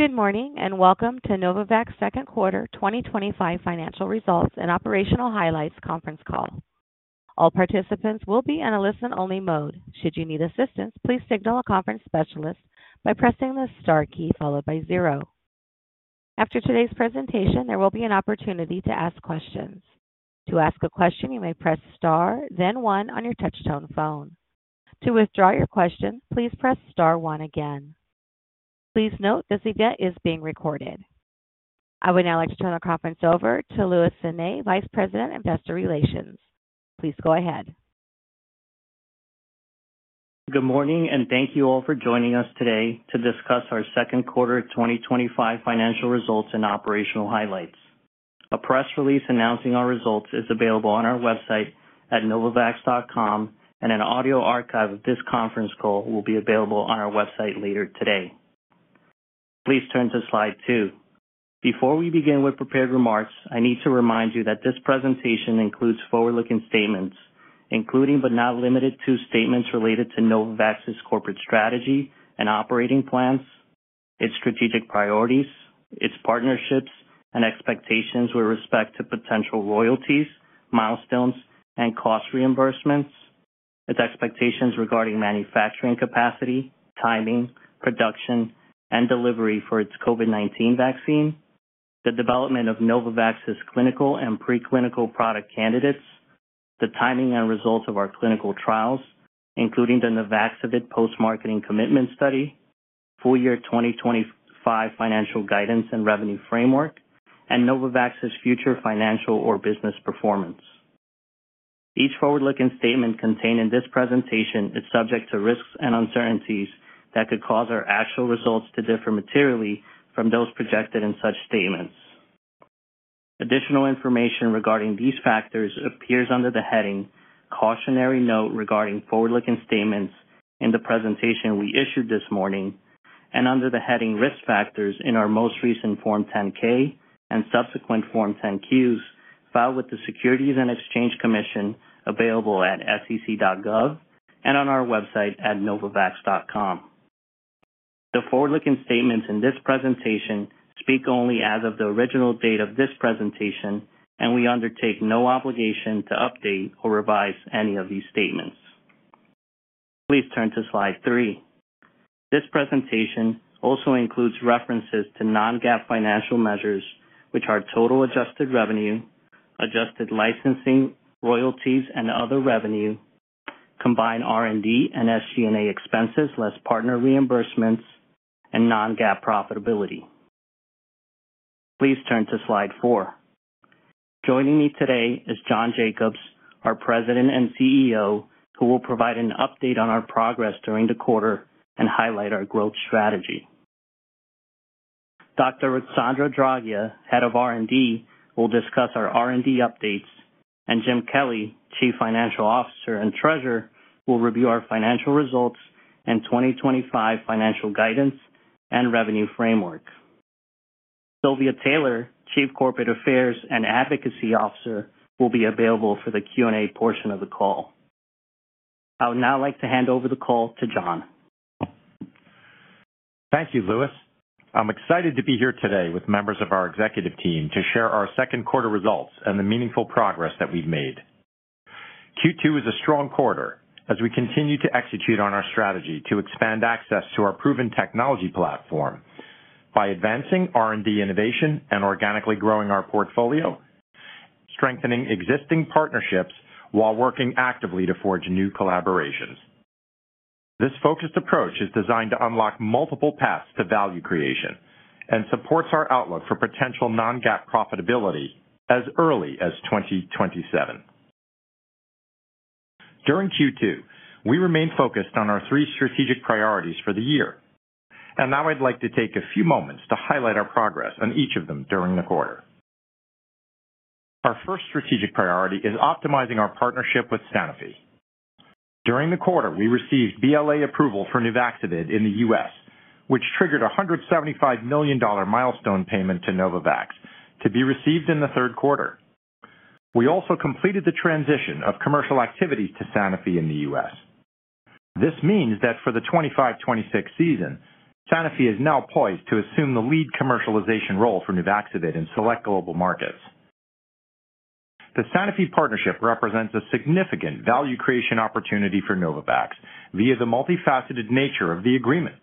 Good morning and welcome to Novavax second quarter 2025 financial results and operational highlights conference call. All participants will be in a listen-only mode. Should you need assistance, please signal a conference specialist by pressing the star key followed by zero. After today's presentation, there will be an opportunity to ask questions. To ask a question, you may press star, then one on your touch-tone phone. To withdraw your question, please press star one again. Please note this event is being recorded. I would now like to turn our conference over to Luis Sanay, Vice President, Investor Relations. Please go ahead. Good morning and thank you all for joining us today to discuss our second quarter 2025 financial results and operational highlights. A press release announcing our results is available on our website at novavax.com, and an audio archive of this conference call will be available on our website later today. Please turn to slide two. Before we begin with prepared remarks, I need to remind you that this presentation includes forward-looking statements, including but not limited to statements related to Novavax's corporate strategy and operating plans, its strategic priorities, its partnerships, and expectations with respect to potential royalties, milestones, and cost reimbursements, its expectations regarding manufacturing capacity, timing, production, and delivery for its COVID-19 vaccine, the development of Novavax's clinical and preclinical product candidates, the timing and results of our clinical trials, including the Nuvaxovid post-marketing commitment study, full-year 2025 financial guidance and revenue framework, and Novavax's future financial or business performance. Each forward-looking statement contained in this presentation is subject to risks and uncertainties that could cause our actual results to differ materially from those projected in such statements. Additional information regarding these factors appears under the heading "Cautionary Note Regarding Forward-Looking Statements" in the presentation we issued this morning, and under the heading "Risk Factors" in our most recent Form 10-K and subsequent Form 10-Qs filed with the Securities and Exchange Commission available at sec.gov and on our website at novavax.com. The forward-looking statements in this presentation speak only as of the original date of this presentation, and we undertake no obligation to update or revise any of these statements. Please turn to slide three. This presentation also includes references to non-GAAP financial measures, which are total adjusted revenue, adjusted licensing, royalties, and other revenue, combined R&D and SG&A expenses less partner reimbursements, and non-GAAP profitability. Please turn to slide four. Joining me today is John Jacobs, our President and CEO, who will provide an update on our progress during the quarter and highlight our growth strategy. Dr. Ruxandra Draghia, Head of R&D, will discuss our R&D updates, and Jim Kelly, Chief Financial Officer and Treasurer, will review our financial results and 2025 financial guidance and revenue framework. Silvia Taylor, Chief Corporate Affairs and Advocacy Officer, will be available for the Q&A portion of the call. I would now like to hand over the call to John. Thank you, Luis. I'm excited to be here today with members of our executive team to share our second quarter results and the meaningful progress that we've made. Q2 was a strong quarter as we continue to execute on our strategy to expand access to our proven technology platform by advancing R&D innovation and organically growing our portfolio, strengthening existing partnerships while working actively to forge new collaborations. This focused approach is designed to unlock multiple paths to value creation and supports our outlook for potential non-GAAP profitability as early as 2027. During Q2, we remained focused on our three strategic priorities for the year, and now I'd like to take a few moments to highlight our progress on each of them during the quarter. Our first strategic priority is optimizing our partnership with Sanofi. During the quarter, we received BLA approval for Nuvaxovid in the U.S., which triggered a $175 million milestone payment to Novavax to be received in the third quarter. We also completed the transition of commercial activities to Sanofi in the U.S. This means that for the 2025-2026 season, Sanofi is now poised to assume the lead commercialization role for Nuvaxovid in select global markets. The Sanofi partnership represents a significant value creation opportunity for Novavax via the multifaceted nature of the agreement,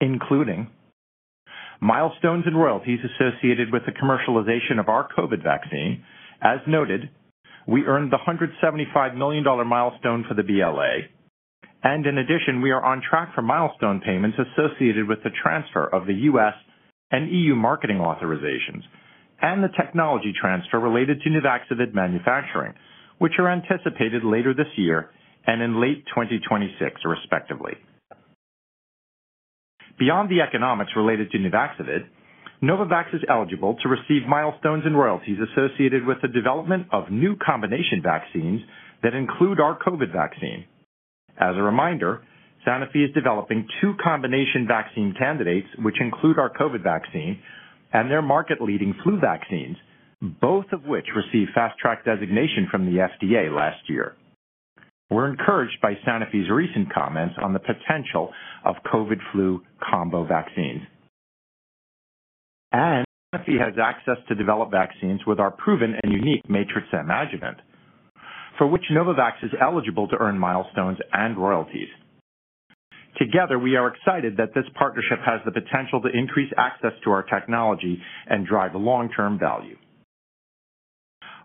including milestones and royalties associated with the commercialization of our COVID vaccine. As noted, we earned the $175 million milestone for the BLA, and in addition, we are on track for milestone payments associated with the transfer of the U.S. and EU marketing authorizations and the technology transfer related to Nuvaxovid manufacturing, which are anticipated later this year and in late 2026, respectively. Beyond the economics related to Nuvaxovid, Novavax is eligible to receive milestones and royalties associated with the development of new combination vaccines that include our COVID vaccine. As a reminder, Sanofi is developing two combination vaccine candidates, which include our COVID vaccine and their market-leading flu vaccines, both of which received fast-track designation from the FDA last year. We're encouraged by Sanofi's recent comments on the potential of COVID-flu combo vaccines, and Sanofi has access to develop vaccines with our proven and unique Matrix-M adjuvant, for which Novavax is eligible to earn milestones and royalties. Together, we are excited that this partnership has the potential to increase access to our technology and drive long-term value.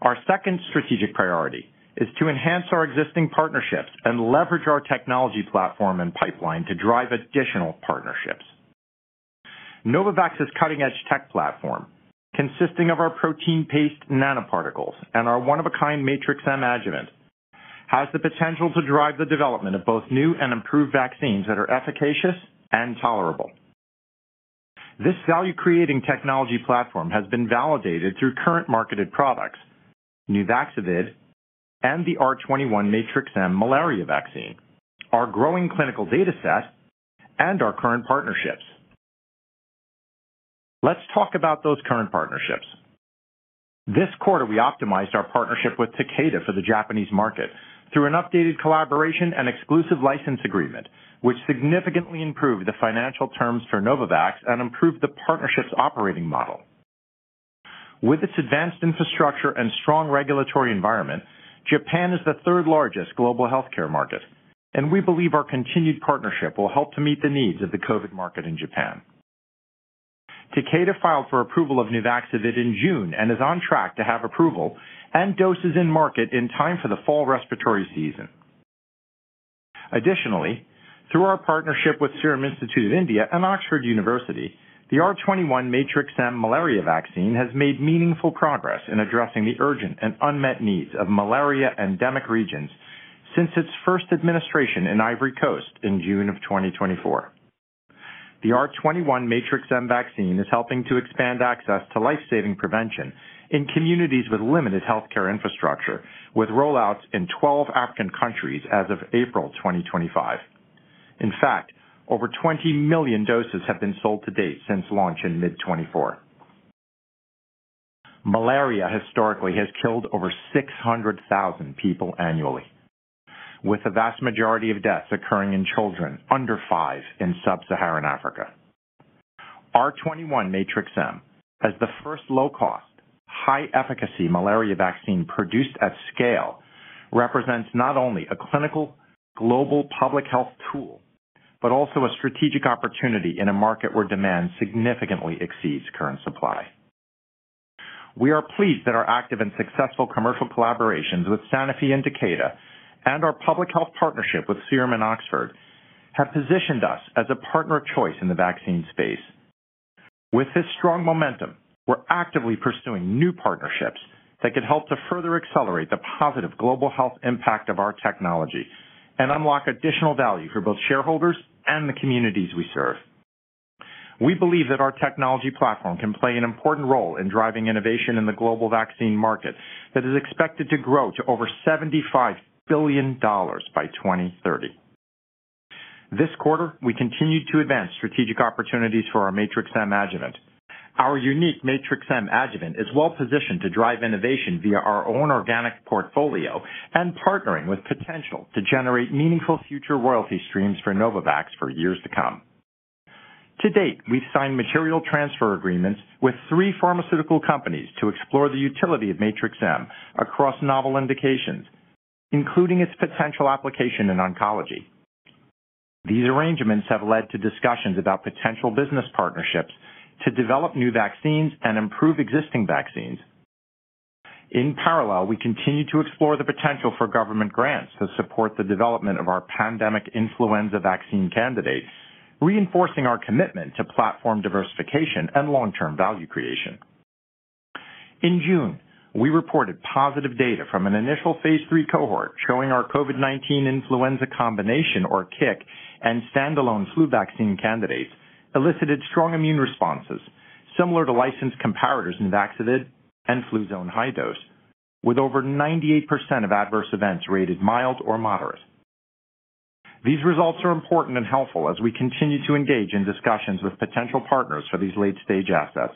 Our second strategic priority is to enhance our existing partnerships and leverage our technology platform and pipeline to drive additional partnerships. Novavax's cutting-edge tech platform, consisting of our protein-based nanoparticles and our one-of-a-kind Matrix-M adjuvant, has the potential to drive the development of both new and improved vaccines that are efficacious and tolerable. This value-creating technology platform has been validated through current marketed products, Nuvaxovid, and the R21 Matrix-M malaria vaccine, our growing clinical dataset, and our current partnerships. Let's talk about those current partnerships. This quarter, we optimized our partnership with Takeda for the Japanese market through an updated collaboration and exclusive license agreement, which significantly improved the financial terms for Novavax and improved the partnership's operating model. With its advanced infrastructure and strong regulatory environment, Japan is the third-largest global healthcare market, and we believe our continued partnership will help to meet the needs of the COVID market in Japan. Takeda filed for approval of Nuvaxovid in June and is on track to have approval and doses in market in time for the fall respiratory season. Additionally, through our partnership with Serum Institute of India and Oxford University, the R21 Matrix-M malaria vaccine has made meaningful progress in addressing the urgent and unmet needs of malaria endemic regions since its first administration in Ivory Coast in June of 2024. The R21 Matrix-M vaccine is helping to expand access to lifesaving prevention in communities with limited healthcare infrastructure, with rollouts in 12 African countries as of April 2025. In fact, over 20 million doses have been sold to date since launch in mid-2024. Malaria historically has killed over 600,000 people annually, with a vast majority of deaths occurring in children under five in Sub-Saharan Africa. R21 Matrix-M, as the first low-cost, high-efficacy malaria vaccine produced at scale, represents not only a clinical global public health tool but also a strategic opportunity in a market where demand significantly exceeds current supply. We are pleased that our active and successful commercial collaborations with Sanofi and Takeda and our public health partnership with Serum Institute of India and Oxford University have positioned us as a partner of choice in the vaccine space. With this strong momentum, we're actively pursuing new partnerships that could help to further accelerate the positive global health impact of our technology and unlock additional value for both shareholders and the communities we serve. We believe that our technology platform can play an important role in driving innovation in the global vaccine market that is expected to grow to over $75 billion by 2030. This quarter, we continued to advance strategic opportunities for our Matrix-M adjuvant. Our unique Matrix-M adjuvant is well-positioned to drive innovation via our own organic portfolio and partnering with potential to generate meaningful future royalty streams for Novavax for years to come. To date, we've signed material transfer agreements with three pharmaceutical companies to explore the utility of Matrix-M across novel indications, including its potential application in oncology. These arrangements have led to discussions about potential business partnerships to develop new vaccines and improve existing vaccines. In parallel, we continue to explore the potential for government grants to support the development of our pandemic influenza vaccine candidates, reinforcing our commitment to platform diversification and long-term value creation. In June, we reported positive data from an initial phase 3 cohort showing our COVID-19 influenza combination vaccine or KIK and standalone influenza vaccine candidates elicited strong immune responses, similar to licensed comparators Nuvaxovid and Fluzone High-Dose, with over 98% of adverse events rated mild or moderate. These results are important and helpful as we continue to engage in discussions with potential partners for these late-stage assets.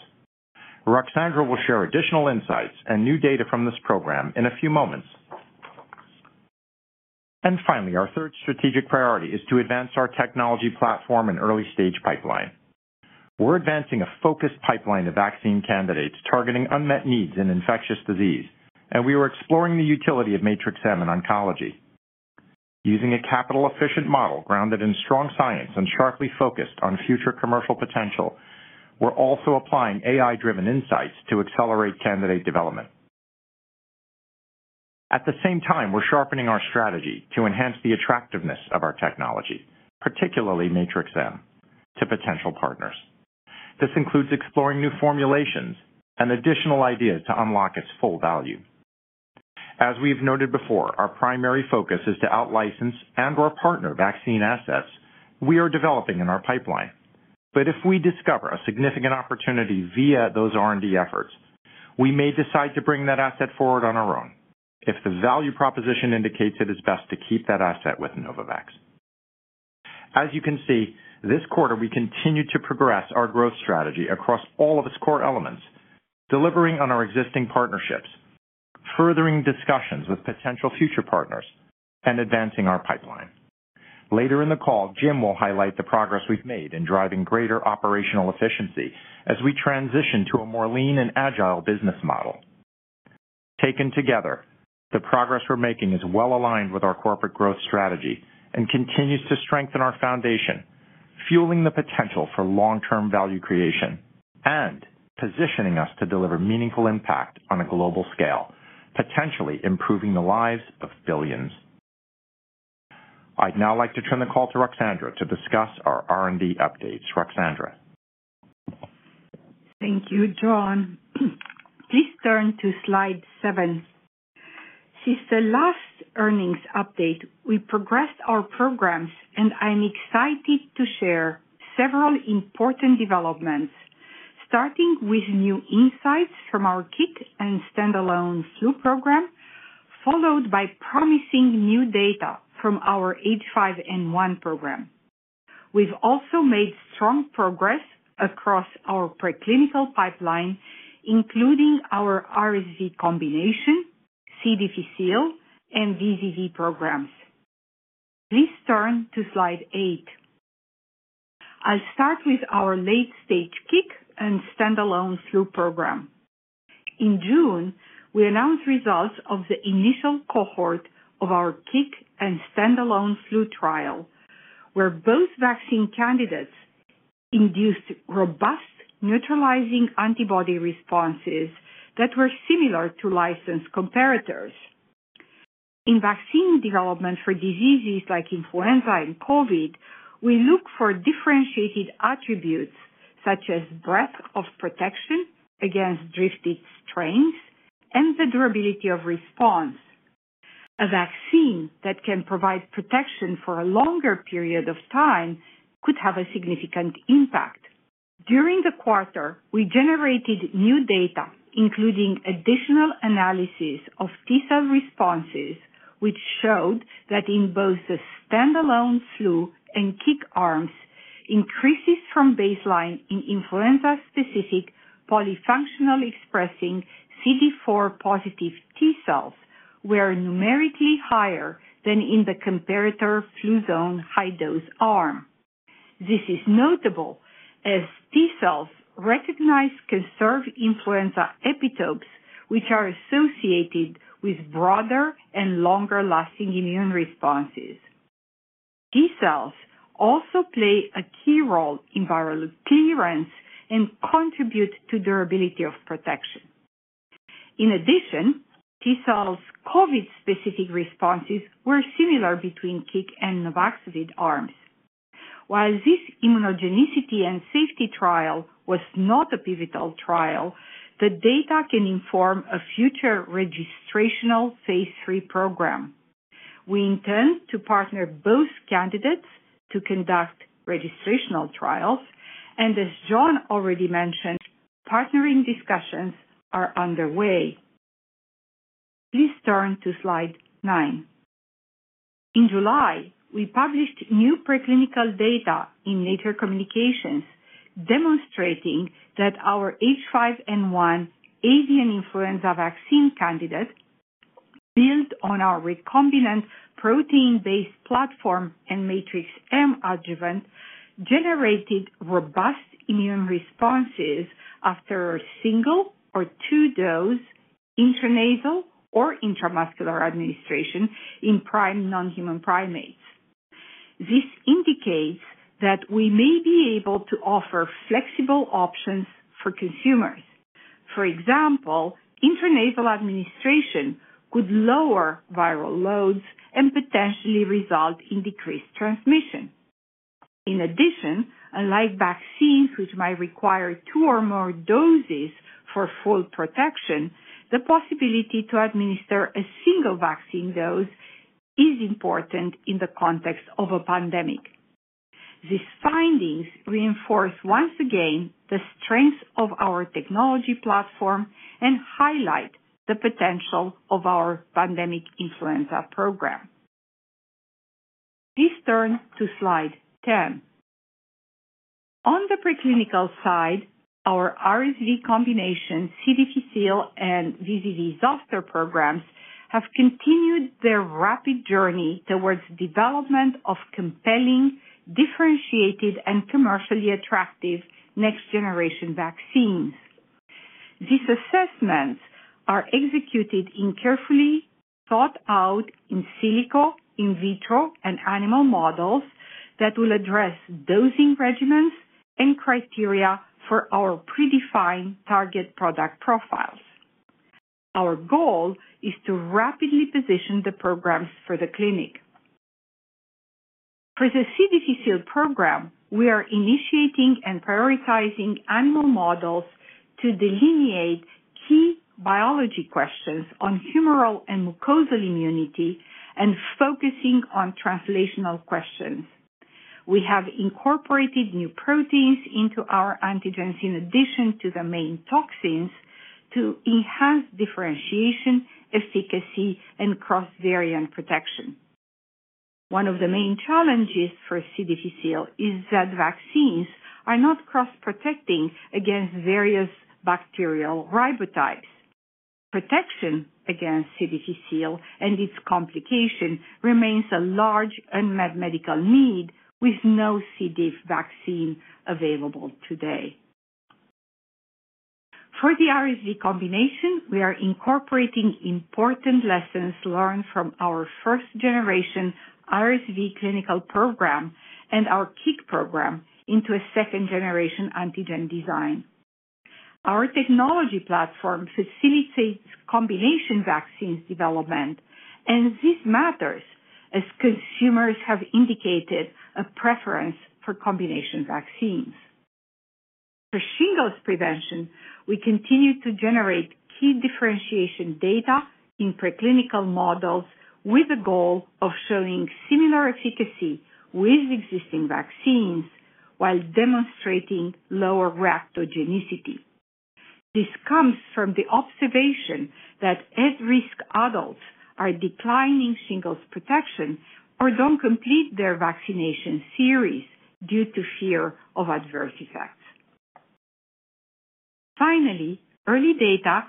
Ruxandra will share additional insights and new data from this program in a few moments. Finally, our third strategic priority is to advance our technology platform and early-stage pipeline. We're advancing a focused pipeline of vaccine candidates targeting unmet needs in infectious disease, and we are exploring the utility of Matrix-M in oncology. Using a capital-efficient model grounded in strong science and sharply focused on future commercial potential, we're also applying AI-driven insights to accelerate candidate development. At the same time, we're sharpening our strategy to enhance the attractiveness of our technology, particularly Matrix-M, to potential partners. This includes exploring new formulations and additional ideas to unlock its full value. As we've noted before, our primary focus is to out-license and/or partner vaccine assets we are developing in our pipeline. If we discover a significant opportunity via those R&D efforts, we may decide to bring that asset forward on our own if the value proposition indicates it is best to keep that asset with Novavax. As you can see, this quarter, we continue to progress our growth strategy across all of its core elements, delivering on our existing partnerships, furthering discussions with potential future partners, and advancing our pipeline. Later in the call, Jim will highlight the progress we've made in driving greater operational efficiency as we transition to a more lean and agile business model. Taken together, the progress we're making is well-aligned with our corporate growth strategy and continues to strengthen our foundation, fueling the potential for long-term value creation and positioning us to deliver meaningful impact on a global scale, potentially improving the lives of billions. I'd now like to turn the call to Ruxandra to discuss our R&D updates. Ruxandra. Thank you, John. Please turn to slide seven. Since the last earnings update, we progressed our programs, and I'm excited to share several important developments, starting with new insights from our KIK and standalone flu program, followed by promising new data from our H5N1 program. We've also made strong progress across our preclinical pipeline, including our RSV combination, CDVCL, and VZV programs. Please turn to slide eight. I'll start with our late-stage KIK and standalone flu program. In June, we announced results of the initial cohort of our KIK and standalone flu trial, where both vaccine candidates induced robust neutralizing antibody responses that were similar to licensed comparators. In vaccine development for diseases like influenza and COVID, we look for differentiated attributes such as breadth of protection against drifting strains and the durability of response. A vaccine that can provide protection for a longer period of time could have a significant impact. During the quarter, we generated new data, including additional analyses of T cell responses, which showed that in both the standalone flu and KIK arms, increases from baseline in influenza-specific polyfunctional expressing CD4-positive T cells were numerically higher than in the comparator Fluzone High-Dose arm. This is notable as T cells recognize conserved influenza epitopes, which are associated with broader and longer-lasting immune responses. T cells also play a key role in viral load clearance and contribute to the durability of protection. In addition, T cells' COVID-specific responses were similar between KIK and Nuvaxovid arms. While this immunogenicity and safety trial was not a pivotal trial, the data can inform a future registrational phase 3 program. We intend to partner both candidates to conduct registrational trials, and as John already mentioned, partnering discussions are underway. Please turn to slide nine. In July, we published new preclinical data in later communications demonstrating that our H5N1 avian influenza vaccine candidate, built on our recombinant protein-based platform and Matrix-M adjuvant, generated robust immune responses after a single or two-dose intranasal or intramuscular administration in prime non-human primates. This indicates that we may be able to offer flexible options for consumers. For example, intranasal administration could lower viral loads and potentially result in decreased transmission. In addition, unlike vaccines which might require two or more doses for full protection, the possibility to administer a single vaccine dose is important in the context of a pandemic. These findings reinforce once again the strengths of our technology platform and highlight the potential of our pandemic influenza program. Please turn to slide 10. On the preclinical side, our RSV combination, CDVCL, and VZV zoster programs have continued their rapid journey towards the development of compelling, differentiated, and commercially attractive next-generation vaccines. These assessments are executed in carefully thought-out in silico, in vitro, and animal models that will address dosing regimens and criteria for our predefined target product profiles. Our goal is to rapidly position the programs for the clinic. For the CDVCL program, we are initiating and prioritizing animal models to delineate key biology questions on humoral and mucosal immunity and focusing on translational questions. We have incorporated new proteins into our antigens in addition to the main toxins to enhance differentiation, efficacy, and cross-variant protection. One of the main challenges for CDVCL is that vaccines are not cross-protecting against various bacterial ribotypes. Protection against CDVCL and its complication remains a large unmet medical need with no CDV vaccine available today. For the RSV combination, we are incorporating important lessons learned from our first-generation RSV clinical program and our KIK program into a second-generation antigen design. Our technology platform facilitates combination vaccines development, and this matters as consumers have indicated a preference for combination vaccines. For shingles prevention, we continue to generate key differentiation data in preclinical models with the goal of showing similar efficacy with existing vaccines while demonstrating lower reactogenicity. This comes from the observation that at-risk adults are declining shingles protection or don't complete their vaccination series due to fear of adverse effects. Finally, early data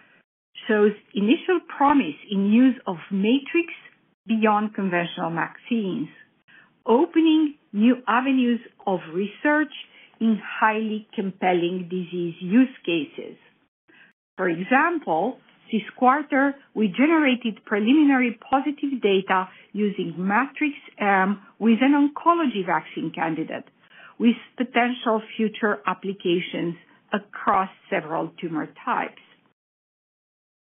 shows initial promise in use of Matrix-M beyond conventional vaccines, opening new avenues of research in highly compelling disease use cases. For example, this quarter, we generated preliminary positive data using Matrix-M with an oncology vaccine candidate with potential future applications across several tumor types.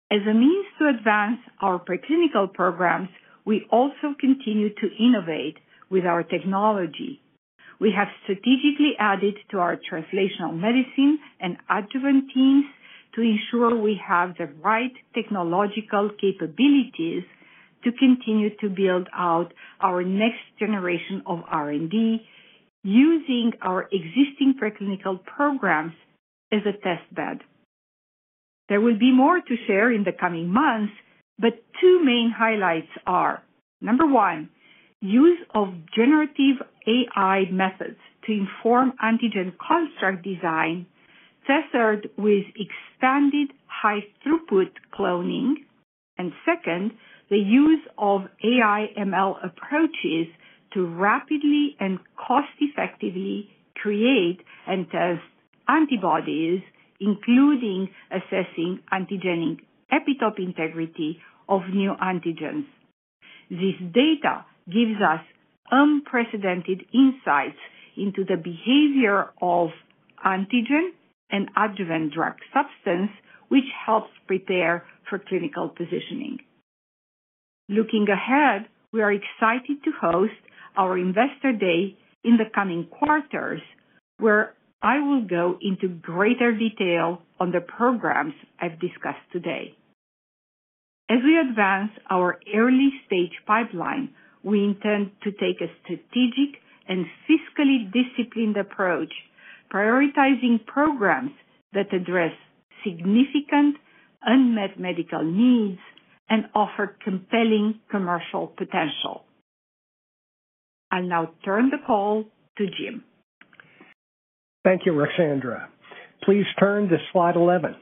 As a means to advance our preclinical programs, we also continue to innovate with our technology. We have strategically added to our translational medicine and adjuvant teams to ensure we have the right technological capabilities to continue to build out our next generation of R&D using our existing preclinical programs as a test bed. There will be more to share in the coming months, but two main highlights are: number one, use of generative AI methods to inform antigen construct design, tethered with expanded high-throughput cloning, and second, the use of AI/ML approaches to rapidly and cost-effectively create and test antibodies, including assessing antigenic epitope integrity of new antigens. This data gives us unprecedented insights into the behavior of antigen and adjuvant drug substance, which helps prepare for clinical positioning. Looking ahead, we are excited to host our Investor Day in the coming quarters, where I will go into greater detail on the programs I've discussed today. As we advance our early-stage pipeline, we intend to take a strategic and fiscally disciplined approach, prioritizing programs that address significant unmet medical needs and offer compelling commercial potential. I'll now turn the call to Jim. Thank you, Ruxandra. Please turn to slide 11.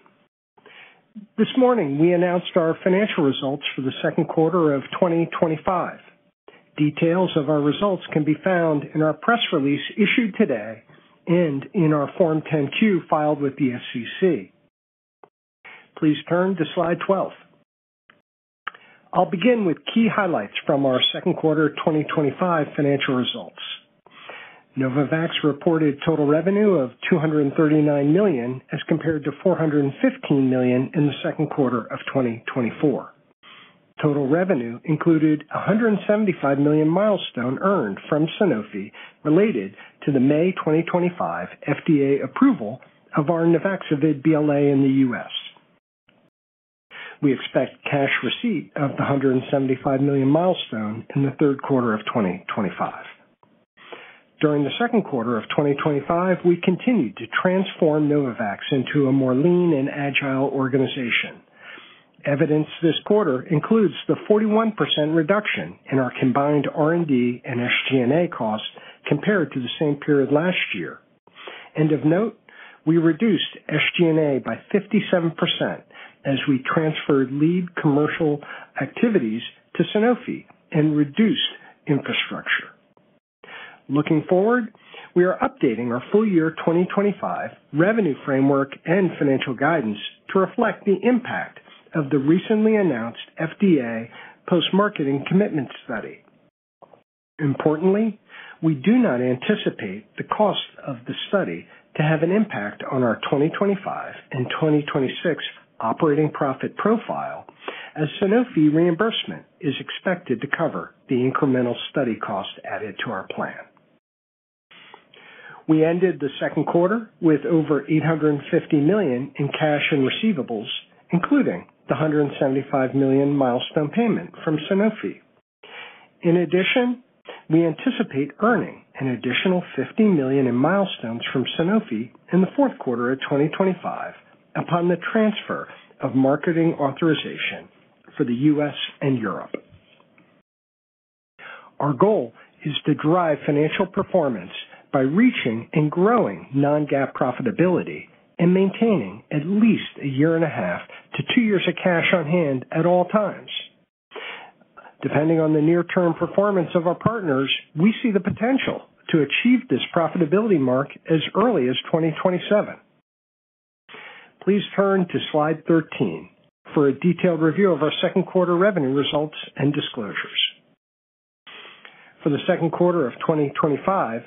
This morning, we announced our financial results for the second quarter of 2025. Details of our results can be found in our press release issued today and in our Form 10-Q filed with the SEC. Please turn to slide 12. I'll begin with key highlights from our second quarter 2025 financial results. Novavax reported total revenue of $239 million as compared to $415 million in the second quarter of 2024. Total revenue included a $175 million milestone earned from Sanofi related to the May 2025 FDA approval of our Nuvaxovid BLA in the U.S. We expect cash receipt of the $175 million milestone in the third quarter of 2025. During the second quarter of 2025, we continued to transform Novavax into a more lean and agile organization. Evidence this quarter includes the 41% reduction in our combined R&D and SG&A costs compared to the same period last year. Of note, we reduced SG&A by 57% as we transferred lead commercial activities to Sanofi and reduced infrastructure. Looking forward, we are updating our full-year 2025 revenue framework and financial guidance to reflect the impact of the recently announced FDA post-marketing commitment study. Importantly, we do not anticipate the cost of the study to have an impact on our 2025 and 2026 operating profit profile as Sanofi reimbursement is expected to cover the incremental study cost added to our plan. We ended the second quarter with over $850 million in cash and receivables, including the $175 million milestone payment from Sanofi. In addition, we anticipate earning an additional $50 million in milestones from Sanofi in the fourth quarter of 2025 upon the transfer of marketing authorization for the U.S. and Europe. Our goal is to drive financial performance by reaching and growing non-GAAP profitability and maintaining at least a year and a half to two years of cash on hand at all times. Depending on the near-term performance of our partners, we see the potential to achieve this profitability mark as early as 2027. Please turn to slide 13 for a detailed review of our second quarter revenue results and disclosures. For the second quarter of 2025,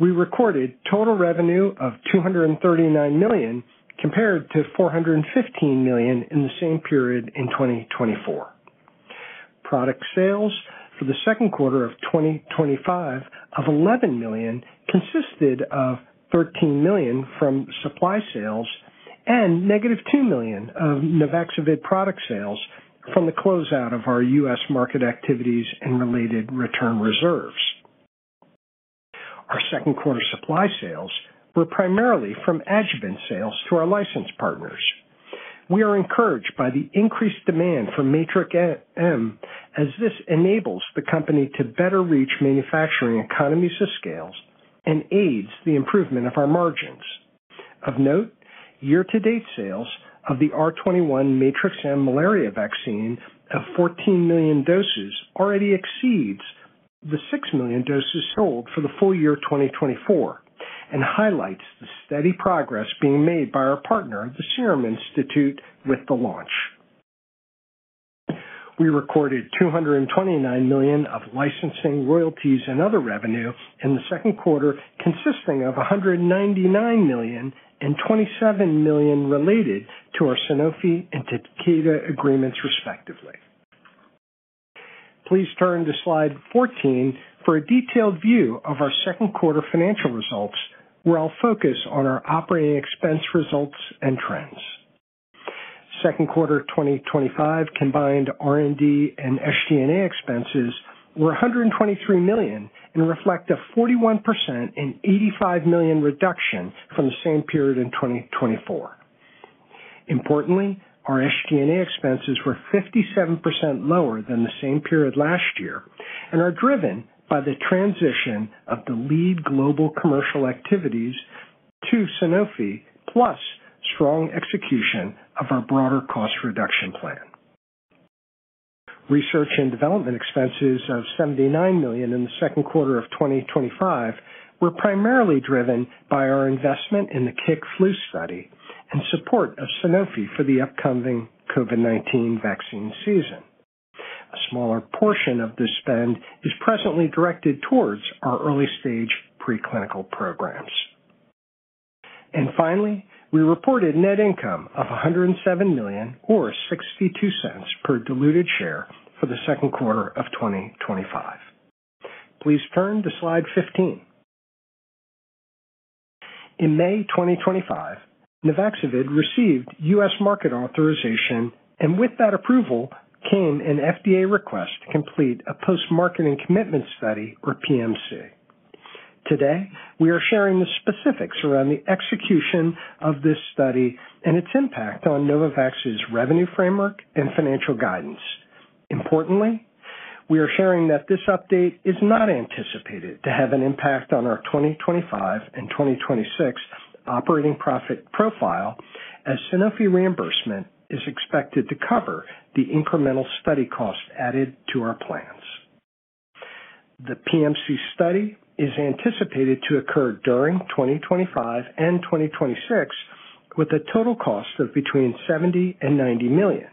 we recorded total revenue of $239 million compared to $415 million in the same period in 2024. Product sales for the second quarter of 2025 of $11 million consisted of $13 million from supply sales and negative $2 million of Nuvaxovid product sales from the closeout of our U.S. market activities and related return reserves. Our second quarter supply sales were primarily from adjuvant sales to our licensed partners. We are encouraged by the increased demand for Matrix-M as this enables the company to better reach manufacturing economies of scale and aids the improvement of our margins. Of note, year-to-date sales of the R21 Matrix-M malaria vaccine of 14 million doses already exceed the 6 million doses sold for the full year 2024 and highlight the steady progress being made by our partner, the Serum Institute of India, with the launch. We recorded $229 million of licensing, royalties, and other revenue in the second quarter, consisting of $199 million and $27 million related to our Sanofi and Takeda agreements, respectively. Please turn to slide 14 for a detailed view of our second quarter financial results, where I'll focus on our operating expense results and trends. Second quarter 2025 combined R&D and SG&A expenses were $123 million and reflect a 41% and $85 million reduction from the same period in 2024. Importantly, our SG&A expenses were 57% lower than the same period last year and are driven by the transition of the lead global commercial activities to Sanofi, plus strong execution of our broader cost reduction plan. Research and development expenses of $79 million in the second quarter of 2025 were primarily driven by our investment in the KIK flu study and support of Sanofi for the upcoming COVID-19 vaccine season. A smaller portion of this spend is presently directed towards our early-stage preclinical programs. Finally, we reported net income of $107 million or $0.62 per diluted share for the second quarter of 2025. Please turn to slide 15. In May 2025, Nuvaxovid received U.S. market authorization, and with that approval came an FDA request to complete a post-marketing commitment study or PMC. Today, we are sharing the specifics around the execution of this study and its impact on Novavax's revenue framework and financial guidance. Importantly, we are sharing that this update is not anticipated to have an impact on our 2025 and 2026 operating profit profile as Sanofi reimbursement is expected to cover the incremental study cost added to our plans. The PMC study is anticipated to occur during 2025 and 2026 with a total cost of between $70 million and $90 million.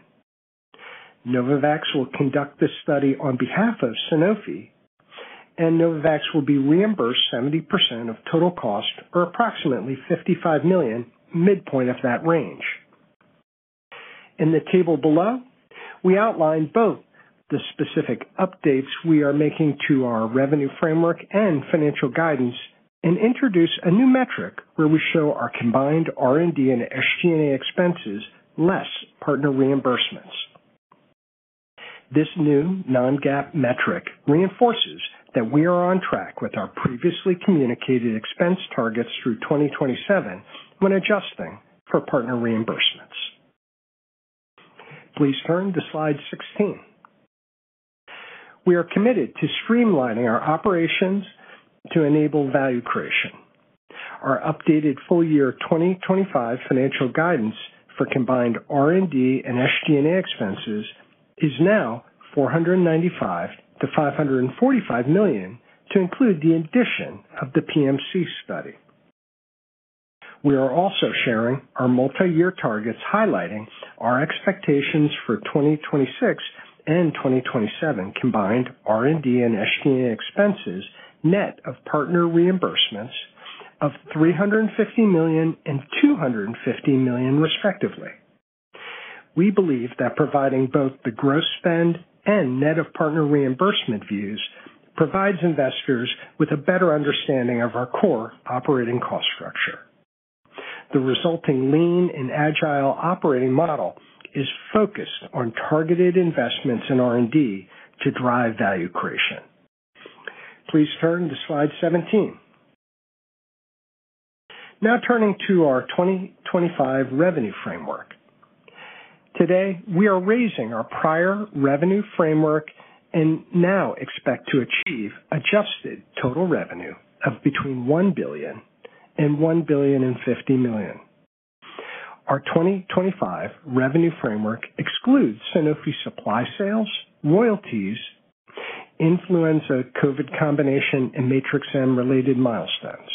Novavax will conduct this study on behalf of Sanofi, and Novavax will be reimbursed 70% of total cost or approximately $55 million, midpoint of that range. In the table below, we outline both the specific updates we are making to our revenue framework and financial guidance and introduce a new metric where we show our combined R&D and SG&A expenses less partner reimbursements. This new non-GAAP metric reinforces that we are on track with our previously communicated expense targets through 2027 when adjusting for partner reimbursements. Please turn to slide 16. We are committed to streamlining our operations to enable value creation. Our updated full-year 2025 financial guidance for combined R&D and SG&A expenses is now $495 million to $545 million to include the addition of the post-marketing commitment study. We are also sharing our multi-year targets highlighting our expectations for 2026 and 2027 combined R&D and SG&A expenses net of partner reimbursements of $350 million and $250 million, respectively. We believe that providing both the gross spend and net of partner reimbursement views provides investors with a better understanding of our core operating cost structure. The resulting lean and agile operating model is focused on targeted investments in R&D to drive value creation. Please turn to slide 17. Now turning to our 2025 revenue framework. Today, we are raising our prior revenue framework and now expect to achieve adjusted total revenue of between $1 billion and $1.05 billion. Our 2025 revenue framework excludes Sanofi supply sales, royalties, influenza COVID combination, and Matrix-M related milestones.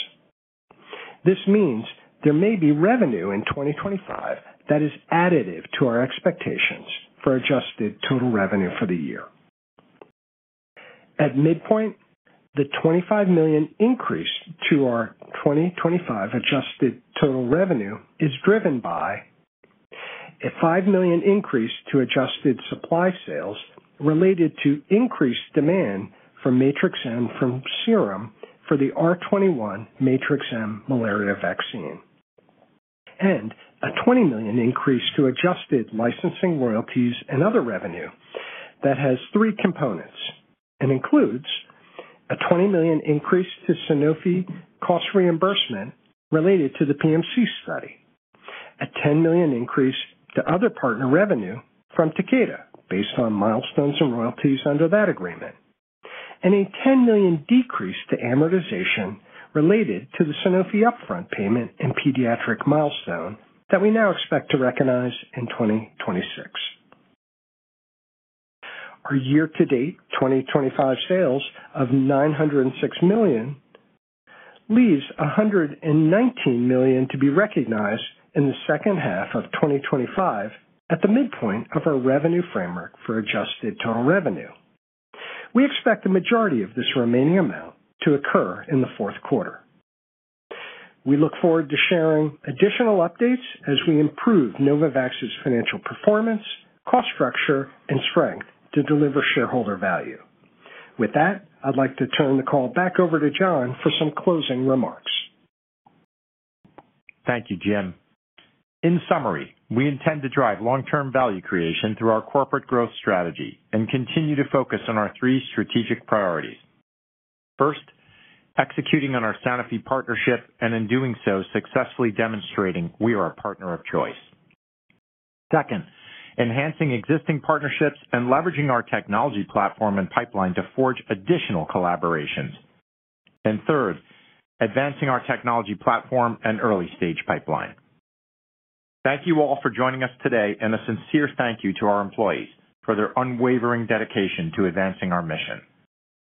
This means there may be revenue in 2025 that is additive to our expectations for adjusted total revenue for the year. At midpoint, the $25 million increase to our 2025 adjusted total revenue is driven by a $5 million increase to adjusted supply sales related to increased demand for Matrix-M from Serum Institute of India for the R21 Matrix-M malaria vaccine and a $20 million increase to adjusted licensing, royalties, and other revenue that has three components and includes a $20 million increase to Sanofi cost reimbursement related to the post-marketing commitment study, a $10 million increase to other partner revenue from Takeda based on milestones and royalties under that agreement, and a $10 million decrease to amortization related to the Sanofi upfront payment and pediatric milestone that we now expect to recognize in 2026. Our year-to-date 2025 sales of $906 million leaves $119 million to be recognized in the second half of 2025 at the midpoint of our revenue framework for adjusted total revenue. We expect the majority of this remaining amount to occur in the fourth quarter. We look forward to sharing additional updates as we improve Novavax's financial performance, cost structure, and strength to deliver shareholder value. With that, I'd like to turn the call back over to John for some closing remarks. Thank you, Jim. In summary, we intend to drive long-term value creation through our corporate growth strategy and continue to focus on our three strategic priorities. First, executing on our Sanofi partnership and, in doing so, successfully demonstrating we are a partner of choice. Second, enhancing existing partnerships and leveraging our technology platform and pipeline to forge additional collaborations. Third, advancing our technology platform and early-stage pipeline. Thank you all for joining us today, and a sincere thank you to our employees for their unwavering dedication to advancing our mission.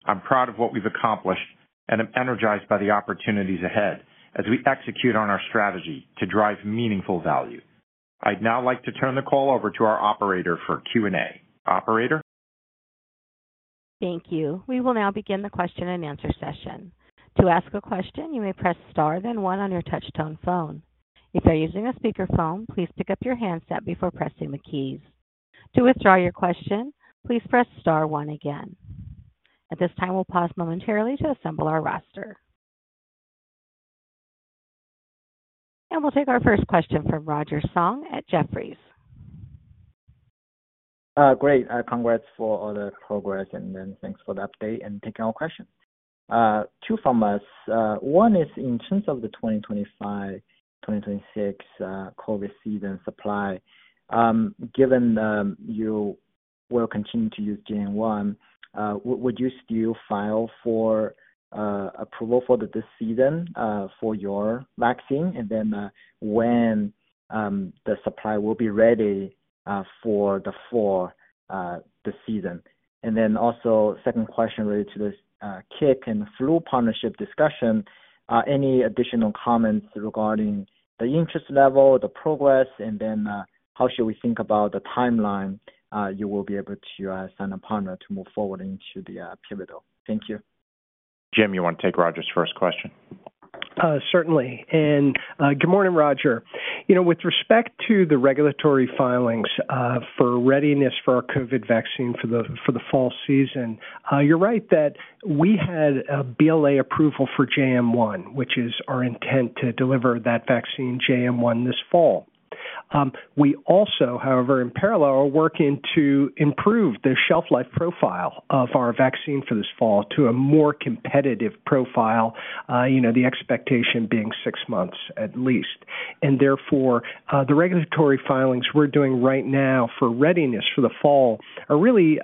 I'm proud of what we've accomplished and am energized by the opportunities ahead as we execute on our strategy to drive meaningful value. I'd now like to turn the call over to our operator for Q&A. Operator? Thank you. We will now begin the question and answer session. To ask a question, you may press star then one on your touch-tone phone. If you're using a speaker phone, please pick up your handset before pressing the keys. To withdraw your question, please press star one again. At this time, we'll pause momentarily to assemble our roster. We'll take our first question from Roger Song at Jefferies. Great. Congrats for all the progress and thanks for the update and taking all questions. Two from us. One is in terms of the 2025-2026 COVID season supply. Given you will continue to use Gen 1, would you still file for approval for this season for your vaccine? When will the supply be ready for the fourth season? Also, second question related to this KIK and flu partnership discussion, any additional comments regarding the interest level, the progress, and how should we think about the timeline you will be able to send a partner to move forward into the pivotal? Thank you. Jim, you want to take Roger's first question? Certainly. Good morning, Roger. With respect to the regulatory filings for readiness for our COVID vaccine for the fall season, you're right that we had a BLA approval for Gen 1, which is our intent to deliver that vaccine Gen 1 this fall. We also, however, in parallel, are working to improve the shelf-life profile of our vaccine for this fall to a more competitive profile, the expectation being six months at least. Therefore, the regulatory filings we're doing right now for readiness for the fall are really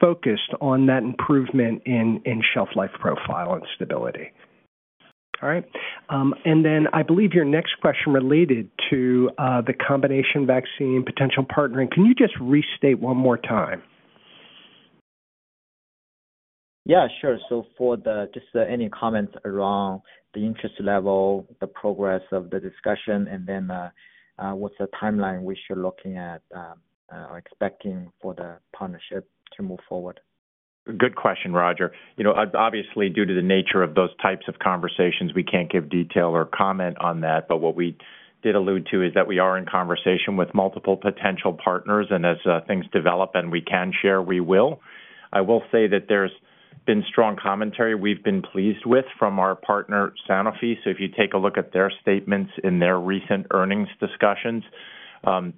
focused on that improvement in shelf-life profile and stability. All right. I believe your next question related to the combination vaccine potential partnering, can you just restate one more time? Yeah, sure. For just any comments around the interest level, the progress of the discussion, and then what's the timeline we should look at or expecting for the partnership to move forward? Good question, Roger. Obviously, due to the nature of those types of conversations, we can't give detail or comment on that. What we did allude to is that we are in conversation with multiple potential partners. As things develop and we can share, we will. I will say that there's been strong commentary we've been pleased with from our partner, Sanofi. If you take a look at their statements in their recent earnings discussions,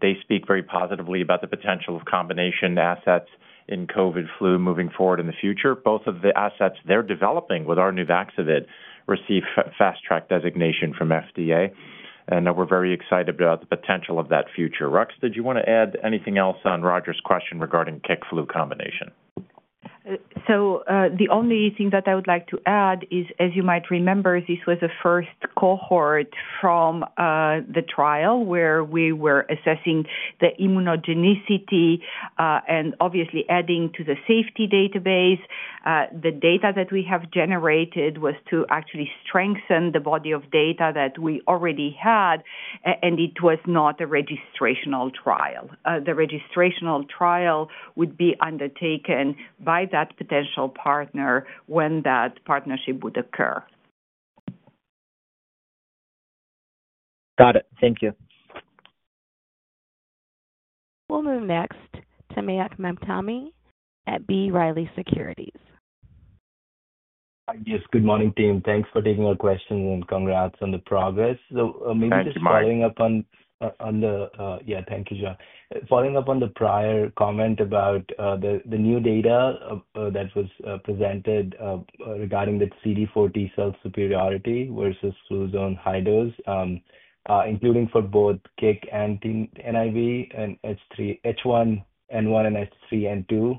they speak very positively about the potential of combination assets in COVID-flu moving forward in the future. Both of the assets they're developing with our Nuvaxovid received fast-track designation from FDA. We're very excited about the potential of that future. Rux, did you want to add anything else on Roger's question regarding KIK flu combination? The only thing that I would like to add is, as you might remember, this was the first cohort from the trial where we were assessing the immunogenicity and obviously adding to the safety database. The data that we have generated was to actually strengthen the body of data that we already had. It was not a registrational trial. The registrational trial would be undertaken by that potential partner when that partnership would occur. Got it. Thank you. We'll move next to Mayank Mamtani at B. Riley Securities. Yes, good morning, team. Thanks for taking our questions and congrats on the progress. Thank you, Mayank. Maybe just following up on the, yeah, thank you, John. Following up on the prior comment about the new data that was presented regarding the CD4 T cell superiority versus Fluzone High-Dose, including for both KIK and N1 and H3N2.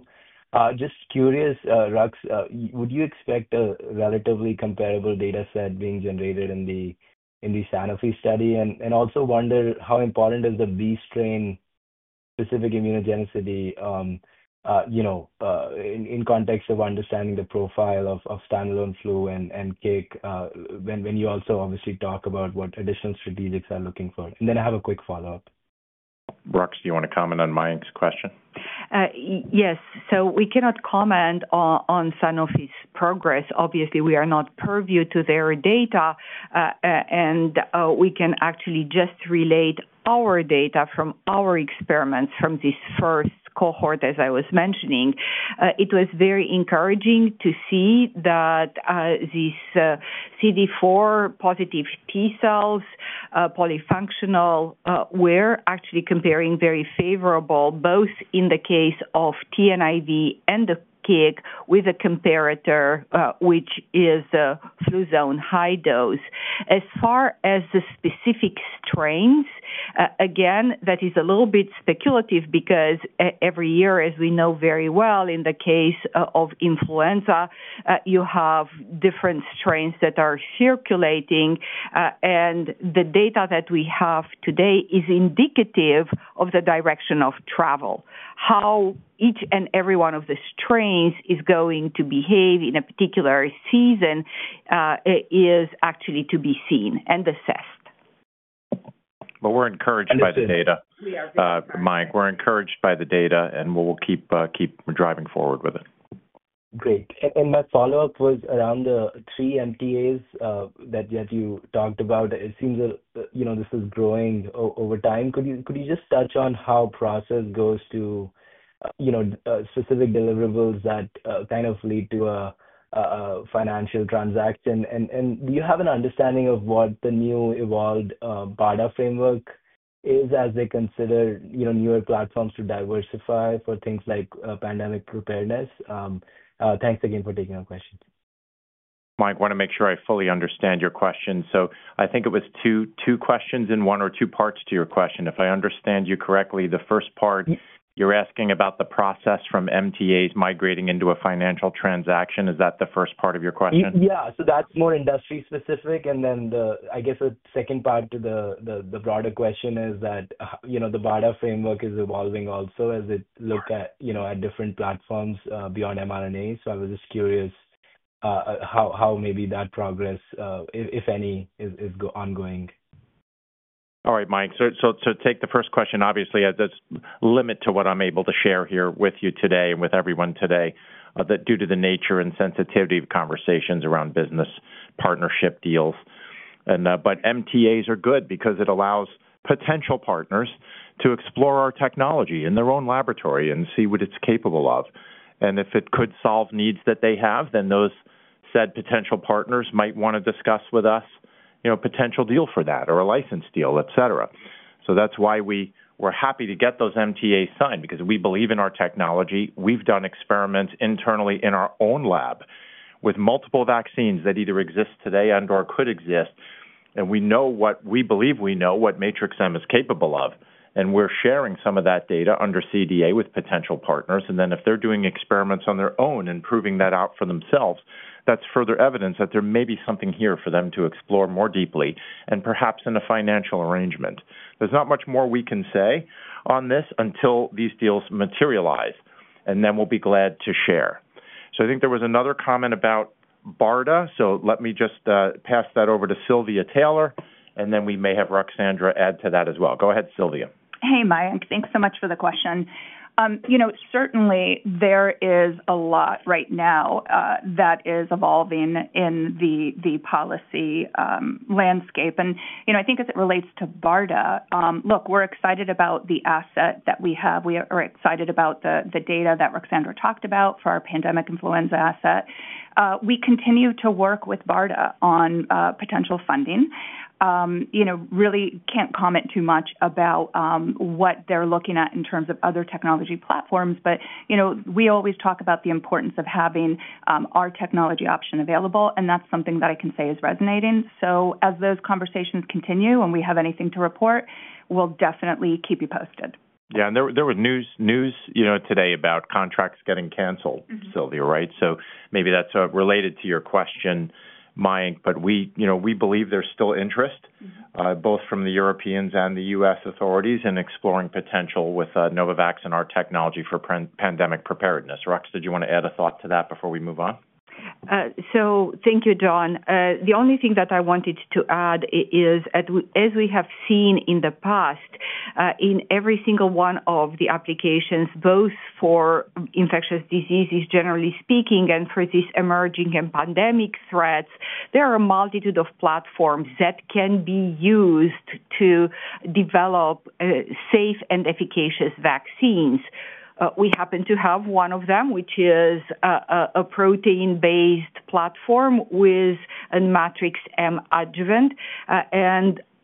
Just curious, Rux, would you expect a relatively comparable data set being generated in the Sanofi study? I also wonder how important is the B strain specific immunogenicity, you know, in context of understanding the profile of standalone flu and KIK when you also obviously talk about what additional strategics are looking for? I have a quick follow-up. Rux, do you want to comment on Mayank's question? Yes. We cannot comment on Sanofi's progress. Obviously, we are not purview to their data. We can actually just relate our data from our experiments from this first cohort, as I was mentioning. It was very encouraging to see that these CD4 positive T cells, polyfunctional, were actually comparing very favorably both in the case of TNIV and the KIK with a comparator, which is Fluzone High-Dose. As far as the specific strains, that is a little bit speculative because every year, as we know very well, in the case of influenza, you have different strains that are circulating. The data that we have today is indicative of the direction of travel. How each and every one of the strains is going to behave in a particular season is actually to be seen and assessed. We're encouraged by the data, Mayank. We're encouraged by the data, and we'll keep driving forward with it. Great. My follow-up was around the three NTAs that you talked about. It seems that this is growing over time. Could you just touch on how process goes to specific deliverables that kind of lead to a financial transaction? Do you have an understanding of what the new evolved BARDA framework is as they consider newer platforms to diversify for things like pandemic preparedness? Thanks again for taking our question. Mayank, I want to make sure I fully understand your question. I think it was two questions in one or two parts to your question. If I understand you correctly, the first part you're asking about the process from NTAs migrating into a financial transaction. Is that the first part of your question? That's more industry specific. I guess the second part to the broader question is that the BARDA framework is evolving also as it looks at different platforms beyond mRNA. I was just curious how maybe that progress, if any, is ongoing. All right, Mayank. Take the first question. Obviously, there's a limit to what I'm able to share here with you today and with everyone today due to the nature and sensitivity of conversations around business partnership deals. NTAs are good because it allows potential partners to explore our technology in their own laboratory and see what it's capable of. If it could solve needs that they have, then those said potential partners might want to discuss with us a potential deal for that or a license deal, etc. That's why we're happy to get those NTAs signed because we believe in our technology. We've done experiments internally in our own lab with multiple vaccines that either exist today and/or could exist. We know what we believe we know what Matrix-M is capable of. We're sharing some of that data under CDA with potential partners. If they're doing experiments on their own and proving that out for themselves, that's further evidence that there may be something here for them to explore more deeply and perhaps in a financial arrangement. There's not much more we can say on this until these deals materialize. We'll be glad to share. I think there was another comment about BARDA. Let me just pass that over to Silvia Taylor. We may have Ruxandra add to that as well. Go ahead, Silvia. Hey, Mayank. Thanks so much for the question. Certainly, there is a lot right now that is evolving in the policy landscape. I think as it relates to BARDA, look, we're excited about the asset that we have. We are excited about the data that Ruxandra talked about for our pandemic influenza asset. We continue to work with BARDA on potential funding. I really can't comment too much about what they're looking at in terms of other technology platforms. You know, we always talk about the importance of having our technology option available, and that's something that I can say is resonating. As those conversations continue and we have anything to report, we'll definitely keep you posted. Yeah. There was news today about contracts getting canceled, Silvia, right? Maybe that's related to your question, Mayank. We believe there's still interest both from the Europeans and the U.S. authorities in exploring potential with Novavax and our technology for pandemic preparedness. Rux, did you want to add a thought to that before we move on? Thank you, John. The only thing that I wanted to add is, as we have seen in the past, in every single one of the applications, both for infectious diseases, generally speaking, and for these emerging pandemic threats, there are a multitude of platforms that can be used to develop safe and efficacious vaccines. We happen to have one of them, which is a protein-based platform with a Matrix-M adjuvant.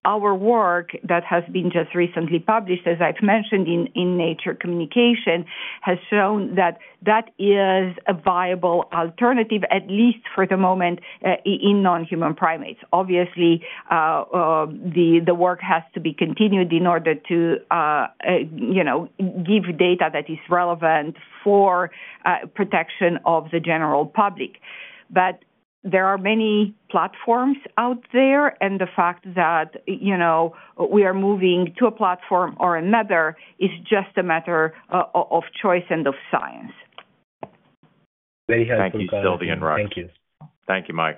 Our work that has been just recently published, as I've mentioned in Nature Communications, has shown that that is a viable alternative, at least for the moment, in non-human primates. Obviously, the work has to be continued in order to give data that is relevant for protection of the general public. There are many platforms out there, and the fact that we are moving to a platform or another is just a matter of choice and of science. Thank you, Silvia and Rux. Thank you. Thank you, Mayank.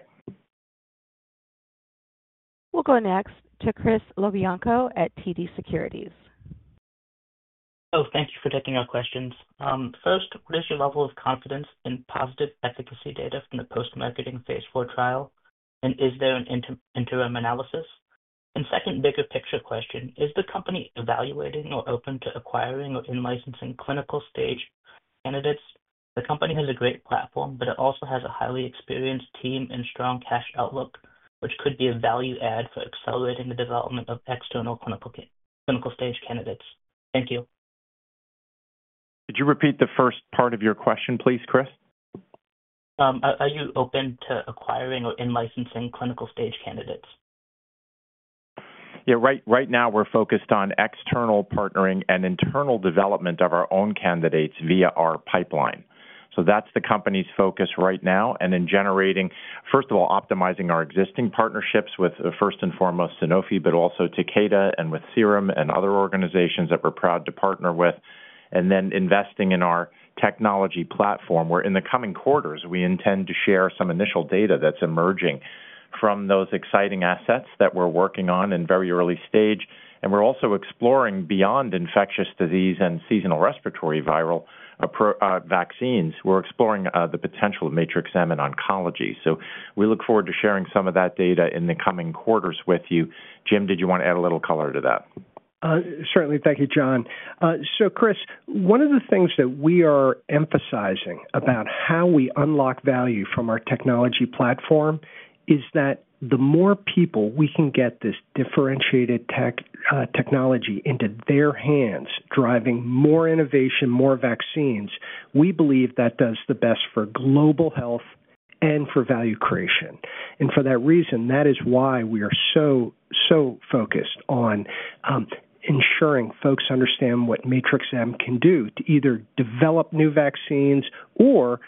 We'll go next to Chris LoBianco at TD Securities. Thank you for taking our questions. First, what is your level of confidence in positive efficacy data from the post-marketing commitment study? Is there an interim analysis? Second, bigger picture question, is the company evaluating or open to acquiring or in-licensing clinical stage candidates? The company has a great platform, but it also has a highly experienced team and strong cash outlook, which could be a value add for accelerating the development of external clinical stage candidates. Thank you. Could you repeat the first part of your question, please, Chris? Are you open to acquiring or in-licensing clinical stage candidates? Yeah, right now we're focused on external partnering and internal development of our own candidates via our pipeline. That's the company's focus right now. In generating, first of all, optimizing our existing partnerships with, first and foremost, Sanofi, but also Takeda and with Serum and other organizations that we're proud to partner with, we're investing in our technology platform. In the coming quarters, we intend to share some initial data that's emerging from those exciting assets that we're working on in very early stage. We're also exploring beyond infectious disease and seasonal respiratory viral vaccines. We're exploring the potential of Matrix-M in oncology. We look forward to sharing some of that data in the coming quarters with you. Jim, did you want to add a little color to that? Certainly. Thank you, John. Chris, one of the things that we are emphasizing about how we unlock value from our technology platform is that the more people we can get this differentiated technology into their hands, driving more innovation, more vaccines, we believe that does the best for global health and for value creation. For that reason, that is why we are so, so focused on ensuring folks understand what Matrix-M can do to either develop new vaccines or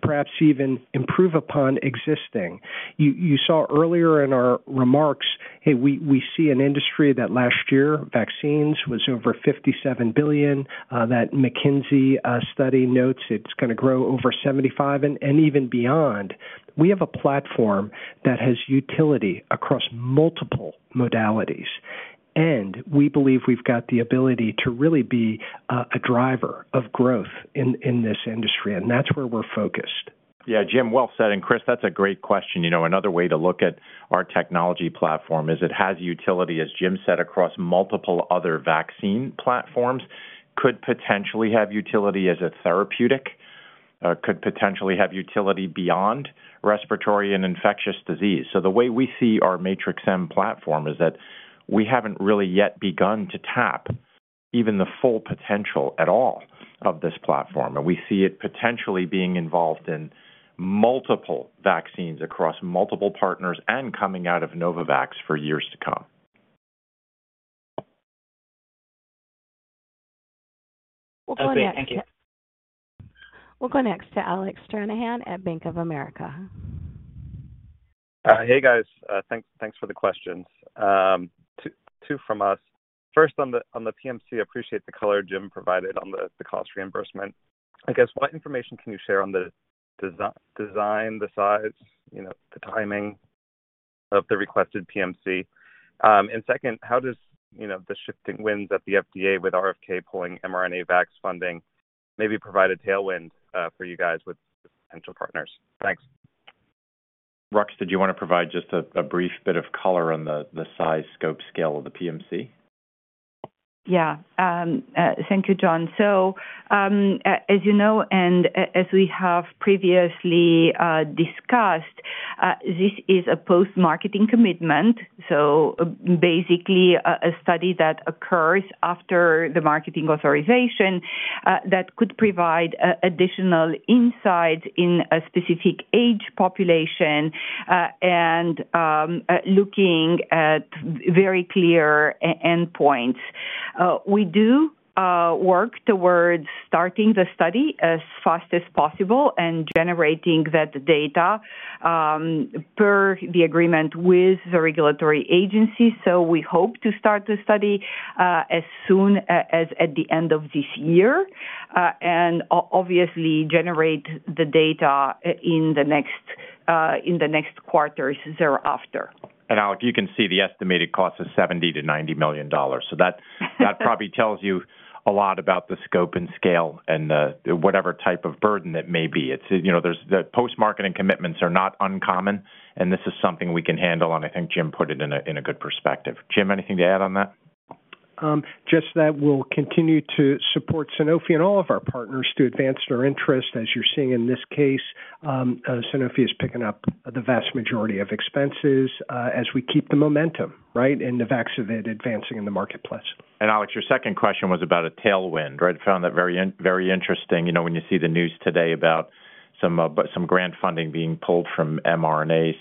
perhaps even improve upon existing. You saw earlier in our remarks, we see an industry that last year, vaccines was over $57 billion that McKinsey study notes it's going to grow over $75 billion and even beyond. We have a platform that has utility across multiple modalities. We believe we've got the ability to really be a driver of growth in this industry. That's where we're focused. Yeah, Jim, well said. Chris, that's a great question. You know, another way to look at our technology platform is it has utility, as Jim said, across multiple other vaccine platforms. Could potentially have utility as a therapeutic. Could potentially have utility beyond respiratory and infectious disease. The way we see our Matrix-M platform is that we haven't really yet begun to tap even the full potential at all of this platform. We see it potentially being involved in multiple vaccines across multiple partners and coming out of Novavax for years to come. Thank you. We'll go next to Alec Stranahan at Bank of America Securities. Hey, guys. Thanks for the questions. Two from us. First, on the post-marketing commitment study, I appreciate the color Jim provided on the cost reimbursement. I guess, what information can you share on the design, the size, you know, the timing of the requested post-marketing commitment study? Second, how does the shifting winds at the FDA with RFK pulling mRNA vaccine funding maybe provide a tailwind for you guys with potential partners? Thanks. Rux, did you want to provide just a brief bit of color on the size, scope, scale of the post-marketing commitment study? Thank you, John. As you know, and as we have previously discussed, this is a post-marketing commitment. Basically, a study that occurs after the marketing authorization that could provide additional insights in a specific age population and looking at very clear endpoints. We do work towards starting the study as fast as possible and generating that data per the agreement with the regulatory agencies. We hope to start the study as soon as at the end of this year and obviously generate the data in the next quarters thereafter. Alec, you can see the estimated cost of $70 million-$90 million. That probably tells you a lot about the scope and scale and whatever type of burden it may be. Post-marketing commitments are not uncommon, and this is something we can handle. I think Jim put it in a good perspective. Jim, anything to add on that? We'll continue to support Sanofi and all of our partners to advance their interest, as you're seeing in this case. Sanofi is picking up the vast majority of expenses as we keep the momentum in the vaccine advancing in the marketplace. Alec, your second question was about a tailwind. I found that very interesting. When you see the news today about some grant funding being pulled from mRNAs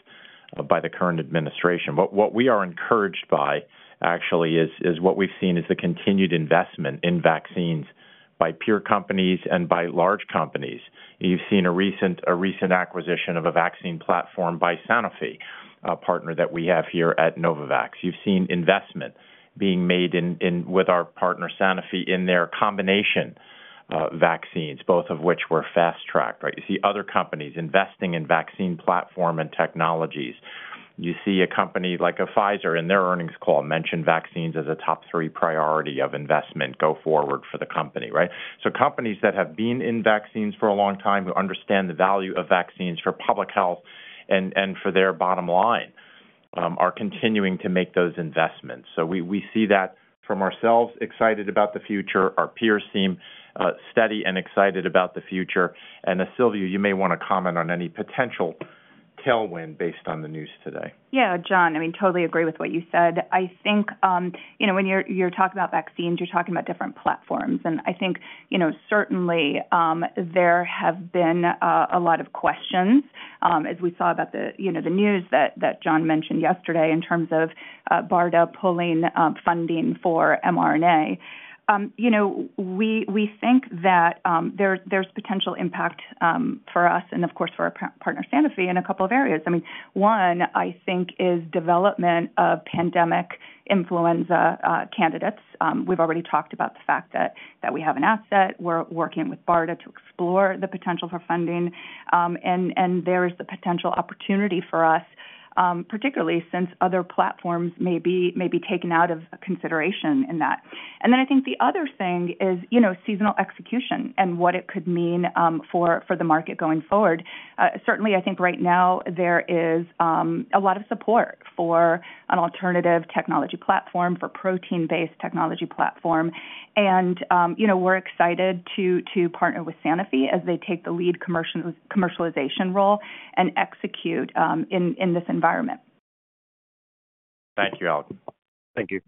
by the current administration, what we are encouraged by actually is what we've seen is the continued investment in vaccines by peer companies and by large companies. You've seen a recent acquisition of a vaccine platform by Sanofi, a partner that we have here at Novavax. You've seen investment being made with our partner Sanofi in their combination vaccines, both of which were fast-tracked. You see other companies investing in vaccine platform and technologies. You see a company like Pfizer in their earnings call mention vaccines as a top three priority of investment go forward for the company, right? Companies that have been in vaccines for a long time, who understand the value of vaccines for public health and for their bottom line, are continuing to make those investments. We see that from ourselves, excited about the future. Our peers seem steady and excited about the future. Silvia, you may want to comment on any potential tailwind based on the news today. Yeah, John, I totally agree with what you said. I think when you're talking about vaccines, you're talking about different platforms. I think certainly there have been a lot of questions, as we saw about the news that John mentioned yesterday in terms of BARDA pulling funding for mRNA. We think that there's potential impact for us and, of course, for our partner Sanofi in a couple of areas. One, I think, is development of pandemic influenza candidates. We've already talked about the fact that we have an asset. We're working with BARDA to explore the potential for funding, and there is the potential opportunity for us, particularly since other platforms may be taken out of consideration in that. I think the other thing is seasonal execution and what it could mean for the market going forward. Certainly, I think right now there is a lot of support for an alternative technology platform, for a protein-based technology platform. We're excited to partner with Sanofi as they take the lead commercialization role and execute in this environment. Thank you, Alec. Thank you.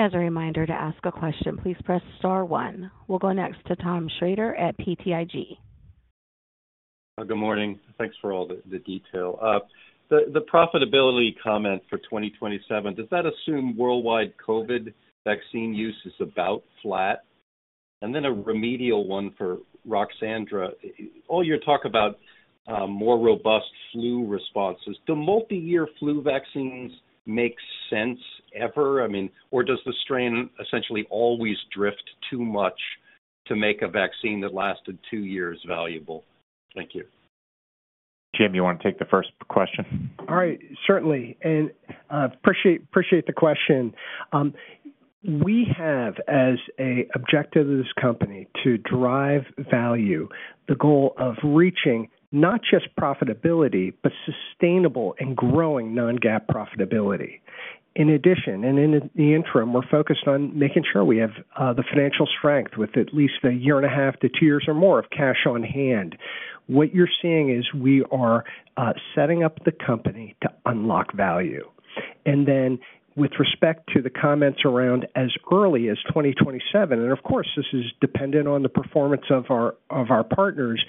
As a reminder to ask a question, please press star one. We'll go next to Tom Shrader at BTIG. Good morning. Thanks for all the detail. The profitability comment for 2027, does that assume worldwide COVID vaccine use is about flat? A remedial one for Ruxandra. All your talk about more robust flu responses. Do multi-year flu vaccines make sense ever? I mean, or does the strain essentially always drift too much to make a vaccine that lasted two years valuable? Thank you. Jim, you want to take the first question? All right, certainly. I appreciate the question. We have, as an objective of this company, to drive value, the goal of reaching not just profitability, but sustainable and growing non-GAAP profitability. In addition, in the interim, we're focused on making sure we have the financial strength with at least a year and a half to two years or more of cash on hand. What you're seeing is we are setting up the company to unlock value. With respect to the comments around as early as 2027, and of course, this is dependent on the performance of our partners,